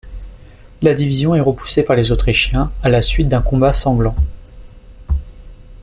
La division est repoussée par les autrichiens à la suite d'un combat sanglant.